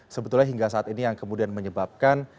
sebetulnya hingga saat ini yang kemudian menyebabkan